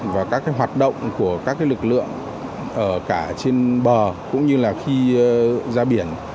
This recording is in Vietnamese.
và các hoạt động của các lực lượng ở cả trên bờ cũng như là khi ra biển